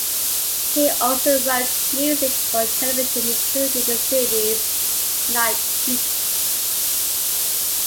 He also wrote music for television including the series "Night Heat".